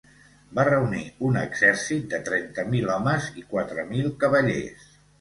Va reunir un exèrcit de trenta mil homes i quatre mil cavallers.